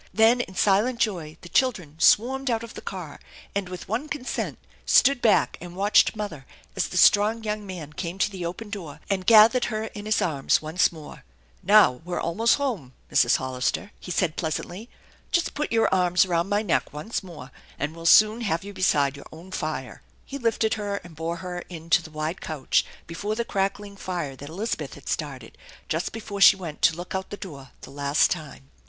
Then in silent joy the children swarmed out of the car, and with one consent stood back and watched mother, as the strong young man came to the open door and gathered her in his arms once more. " Now we're almost home, Mrs. Hollister," he said pleas antly. " Just put your arms around my neck once more, and we'll soon have you beside your own fire." He lifted her and 6ore her in to the wide couch before the crackling fire that Elizabeth had started just before she went to look out the door the last time.